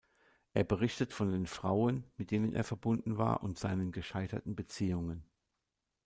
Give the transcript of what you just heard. Er berichtet von den Frauen, mit denen er verbunden war, und seinen gescheiterten Beziehungen.